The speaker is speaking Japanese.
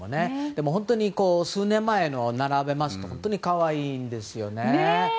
でも、本当に数年前の映像並びますと本当に可愛いんですよね。